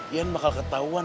ian bakal ketauan